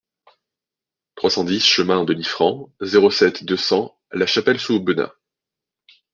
trois cent dix chemin de Liffrand, zéro sept, deux cents, Lachapelle-sous-Aubenas